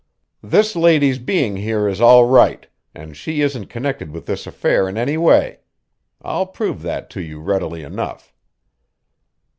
"This lady's being here is all right and she isn't connected with this affair in any way. I'll prove that to you readily enough."